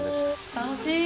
楽しい！